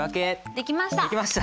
できました。